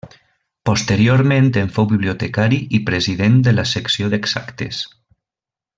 Posteriorment en fou bibliotecari i president de la Secció d'Exactes.